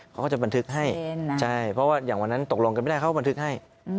เขาก็จะบันทึกให้ใช่เพราะว่าอย่างวันนั้นตกลงกันไม่ได้เขาบันทึกให้